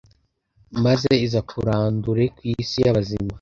maze izakurandure ku isi y'abazima